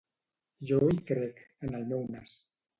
Jo hi crec, en el meu nas.